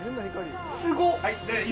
すごっ！